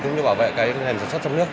cũng như bảo vệ nền sản xuất trong nước